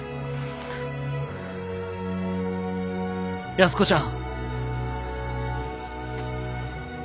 安子ちゃん。